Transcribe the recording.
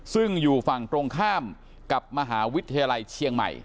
ซึ่งอยู่ฝั่งตรงข้ามกับมหาวิทยาลัยเชียงใหม่